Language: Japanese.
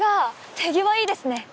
手際いいですね。